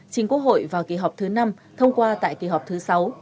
chính quốc hội vào kỳ họp thứ năm thông qua tại kỳ họp thứ sáu